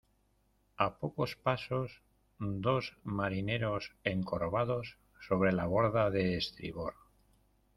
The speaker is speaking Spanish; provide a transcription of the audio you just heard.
a pocos pasos dos marineros encorvados sobre la borda de estribor